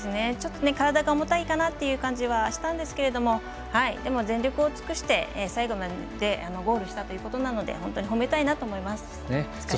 ちょっと体が重たいかなという感じがしたんですがでも、全力を尽くして最後までゴールしたということなので本当に褒めたいなと思います。